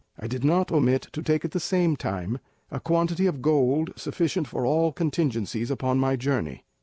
I did not omit to take at the same time a quantity of gold sufficient for all contingencies upon my journey.